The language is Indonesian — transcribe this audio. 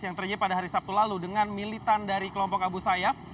yang terjadi pada hari sabtu lalu dengan militan dari kelompok abu sayyaf